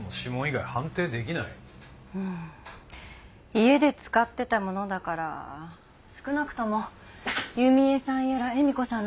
家で使ってたものだから少なくとも弓江さんやら恵美子さんの指紋は残ってるはずなのに。